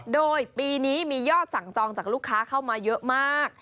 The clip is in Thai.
โดยปีนี้มียอดสั่งจองจากลูกค้าเข้ามาเยอะมาก